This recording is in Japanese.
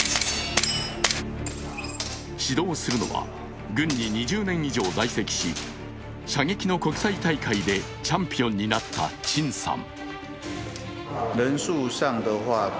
指導するのは、軍に２０年以上在籍し射撃の国際大会でチャンピオンになった沈さん。